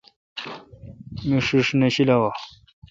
مہ ݭݭ نہ شیلوں۔